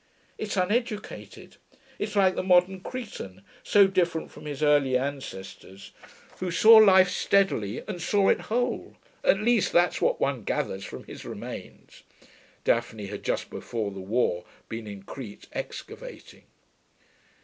It's uneducated; it's like the modern Cretan, so different from his early ancestors, who saw life steadily and saw it whole at least that's what one gathers from his remains.' (Daphne had, just before the war, been in Crete, excavating.)